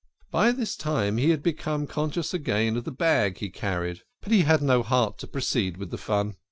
By this time he had become conscious again of the bag he carried, but he had no heart to proceed with the fun.